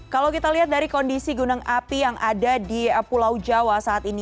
kalau kita lihat dari kondisi gunung api yang ada di pulau jawa saat ini